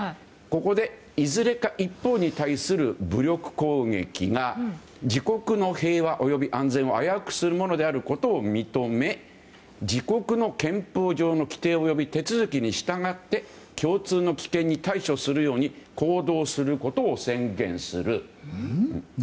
ここで、いずれか一方に対する武力攻撃が自国の平和及び安全を危うくするものであることを認め自国の憲法上の規定及び手続きに従つて共通の危険に対処するように行動することを宣言する。